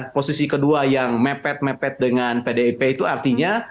posisi kedua yang mepet mepet dengan pdip itu artinya